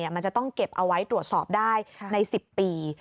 มันจะต้องเก็บเอาไว้ตรวจสอบได้ใน๑๐ปี